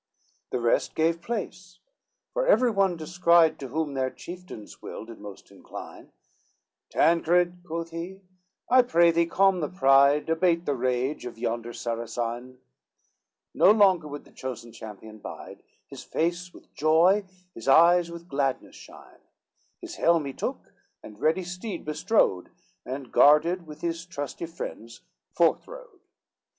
XXV The rest gave place; for every one descried To whom their chieftain's will did most incline, "Tancred," quoth he, "I pray thee calm the pride, Abate the rage of yonder Saracine:" No longer would the chosen champion bide, His face with joy, his eyes with gladness shine, His helm he took, and ready steed bestrode, And guarded with his trusty friends forth rode.